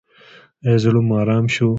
ایا زړه مو ارام شو؟